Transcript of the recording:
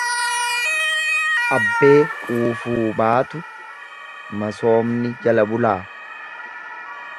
Abbee quufuu baatu masoobni jala bulaa?.